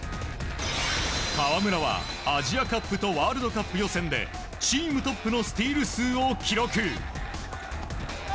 河村はアジアカップとワールドカップ予選でチームトップのスティール数を記録。